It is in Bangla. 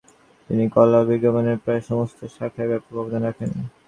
তিনি কলা ও বিজ্ঞানের প্রায় সমস্ত শাখায় ব্যাপক অবদান রাখেন।